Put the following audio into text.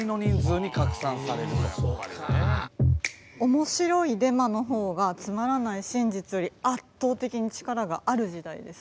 面白いデマのほうがつまらない真実より圧倒的に力がある時代です。